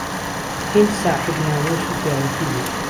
هیند ساحیب نامووس و پیاوهتی بو